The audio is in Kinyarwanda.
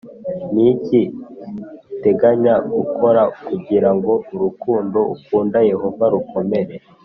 Ni iki uteganya gukora kugira ngo urukundo ukunda Yehova rukomere